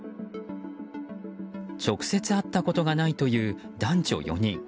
直接会ったことがないという男女４人。